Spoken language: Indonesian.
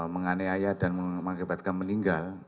menganeaya dan menyebabkan meninggal